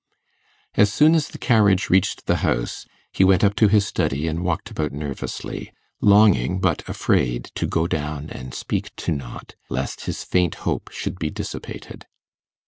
As soon as the carriage reached the house, he went up to his study and walked about nervously, longing, but afraid, to go down and speak to Knott, lest his faint hope should be dissipated.